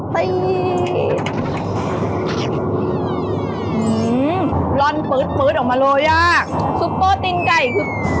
ฮือหือรอนฟื้ดฟื้ดออกมาโรย่าซุปเปอร์ตีนไก่ที่